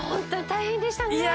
大変でした。